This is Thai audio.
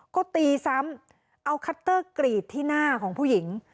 ก็ตีซ้ำเอาคัตเตอร์กรีดที่หน้าของผู้หญิง